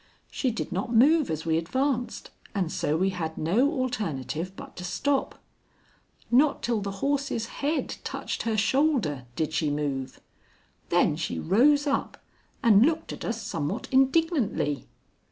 She did not move as we advanced, and so we had no alternative but to stop. Not till the horse's head touched her shoulder did she move. Then she rose up and looked at us somewhat indignantly.